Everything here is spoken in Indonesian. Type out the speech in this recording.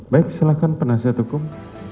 baik silahkan penasihat hukum